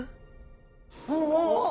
おお！